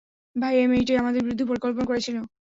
ভাই, এই মেয়েটাই আমাদের বিরুদ্ধে পরিকল্পনা করেছিল।